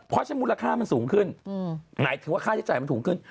เพราะฉะนั้นมูลค่ามันสูงขึ้นหมายถึงว่าค่าใช้จ่ายมันสูงขึ้น